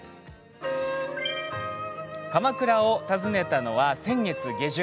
鎌倉を訪ねたのは先月下旬。